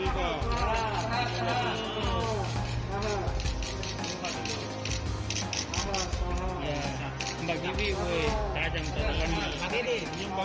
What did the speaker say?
banyak kesehatan ada